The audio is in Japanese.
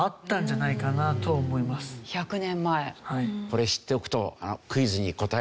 これ知っておくとクイズに答えられますよ。